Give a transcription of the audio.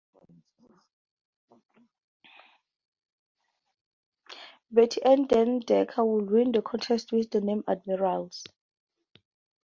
Betty Ann Den Decker would win the contest with the name "Admirals".